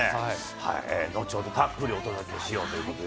後ほどたっぷりお届けしようということで。